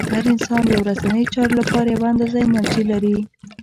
هر انسان د ورځنیو چارو لپاره یوه اندازه انرژي لري.